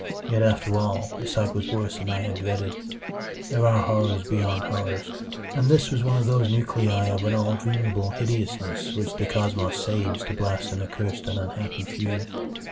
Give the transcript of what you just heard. Yet after all, the sight was worse than I had dreaded. There are horrors beyond horrors, and this was one of those nuclei of all dreamable hideousness which the cosmos saves to blast an accursed and unhappy few.